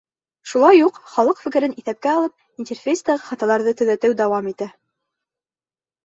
Шулай уҡ, халыҡ фекерен иҫәпкә алып, интерфейстағы хаталарҙы төҙәтеү дауам итә.